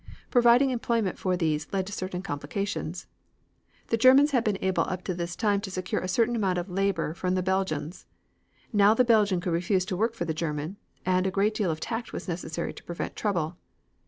Providing employment for these led to certain complications. The Germans had been able up to this time to secure a certain amount of labor from the Belgians. Now the Belgian could refuse to work for the German, and a great deal of tact was necessary to prevent trouble.